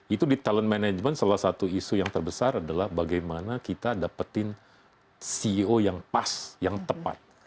itu di talent management salah satu isu yang terbesar adalah bagaimana kita dapetin ceo yang pas yang tepat